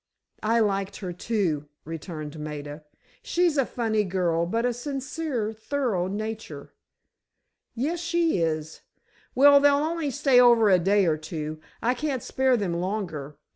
"I liked her, too," returned Maida; "she's a funny girl but a sincere, thorough nature." "Yes, she is. Well, they'll only stay over a day or two, I can't spare them longer.